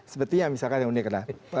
sepertinya misalkan yang unik lah